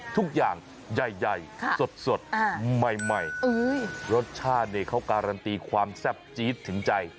ทุกอย่างใหญ่สดใหม่รสชาติเขาการันตีความแซ่บจี๊ดถึงใจ